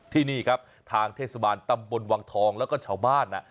ที่นี่ครับทางเทศบาลตำบลวังทองแล้วก็ชาวบ้าน